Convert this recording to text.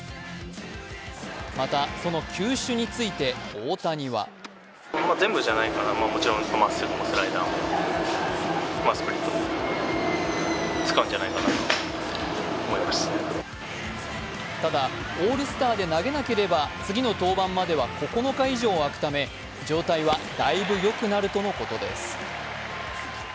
またその球種について大谷はただ、オールスターで投げなければ次の登板までは９日以上空くため状態はだいぶよくなるとのことです。